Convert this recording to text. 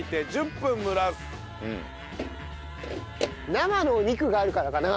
生のお肉があるからかな。